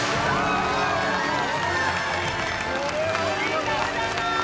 おめでとうございます！